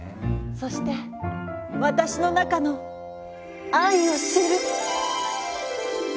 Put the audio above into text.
そして私の中の愛を知る。